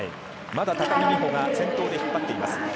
まだ高木美帆が先頭で引っ張っています。